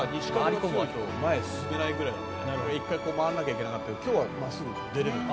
前進めないくらいで回り込まなきゃいけないんだけど今日は真っすぐ出られる。